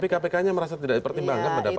tapi kpk nya merasa tidak dipertimbangkan pendapatnya